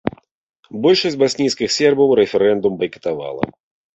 Большасць баснійскіх сербаў рэферэндум байкатавала.